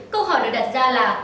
câu hỏi được đặt ra là